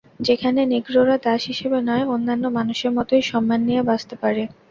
যেখানে নিগ্রোরা দাস হিসেবে নয়, অন্যান্য মানুষের মতোই সম্মান নিয়ে বাঁচতে পারে।